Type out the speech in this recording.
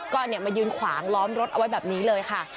ก็มายืนขวางล้อมรถเอาไว้แบบนี้เลยค่ะ